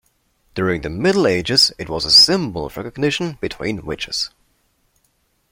During the Middle Ages it was a symbol of recognition between witches.